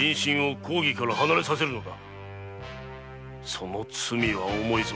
その罪は重いぞ。